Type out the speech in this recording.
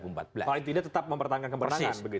paling tidak tetap mempertahankan kemenangan